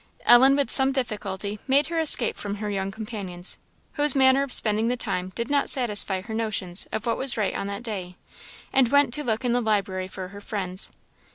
Ellen with some difficulty made her escape from her young companions, whose manner of spending the time did not satisfy her notions of what was right on that day, and went to look in the library for her friends.